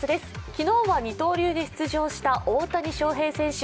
昨日は二刀流で出場した大谷翔平選手。